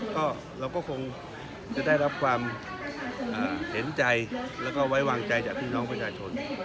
ก็เราก็คงจะได้รับความเห็นใจแล้วก็ไว้วางใจจากพี่น้องประชาชน